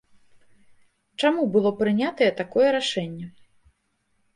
Чаму было прынятае такое рашэнне?